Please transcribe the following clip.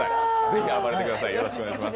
ぜひ暴れてください。